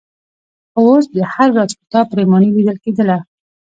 خو اوس د هر راز کتاب پرېماني لیدل کېدله.